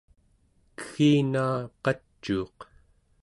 kegginaa qacuuq